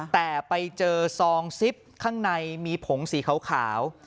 แต่ไปเจอซองซิปข้างในมีผงสีขาว